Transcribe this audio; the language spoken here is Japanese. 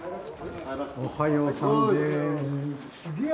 おはようさんです。